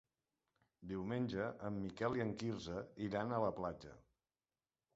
Diumenge en Miquel i en Quirze iran a la platja.